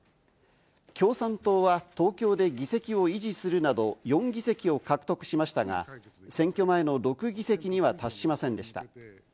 共産党は東京で議席を維持するなど４議席を獲得しましたが、選挙前の６議席には達しませんでした。